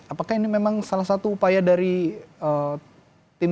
apakah ini memang salah satu upaya dari tim